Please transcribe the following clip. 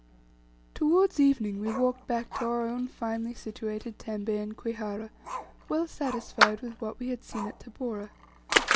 Towards evening we walked back to our own finely situated tembe in Kwihara, well satisfied with what we had seen at Tabora.